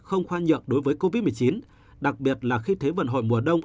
không khoan nhượng đối với covid một mươi chín đặc biệt là khi thế vận hội mùa đông